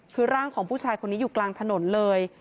คือร่างของผู้ชายคนนี้อยู่กลางถนนเลย